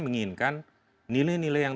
menginginkan nilai nilai yang